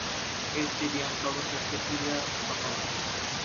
এ stadium সর্বশ্রেষ্ঠ ক্রীড়া স্থাপনা।